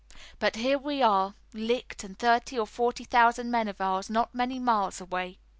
But here we are licked, and thirty or forty thousand men of ours not many miles away!"